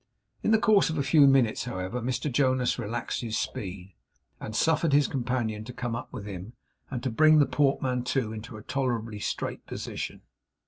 In the course of a few minutes, however, Mr Jonas relaxed his speed, and suffered his companion to come up with him, and to bring the portmanteau into a tolerably straight position.